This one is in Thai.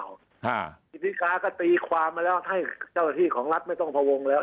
กิจิกาก็ตีความมาแล้วให้เจ้าหน้าที่ของรัฐไม่ต้องพวงแล้ว